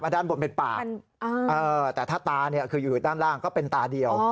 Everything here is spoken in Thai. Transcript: อ่ะด้านบนเป็นปากอ่าเออแต่ถ้าตาเนี่ยคืออยู่ด้านล่างก็เป็นตาเดียว